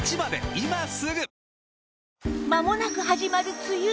まもなく始まる梅雨